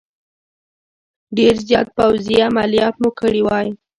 ډېر زیات پوځي عملیات مو کړي وای.